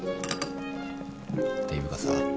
ていうかさ